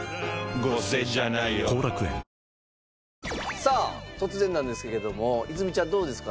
さあ突然なんですけれども泉ちゃんどうですか？